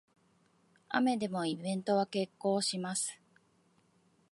雨でもイベントは決行します